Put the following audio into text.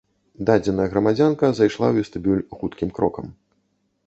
Дадзеная грамадзянка зайшла ў вестыбюль хуткім крокам.